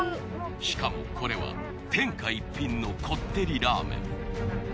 しかもこれは天下一品のこってりラーメン。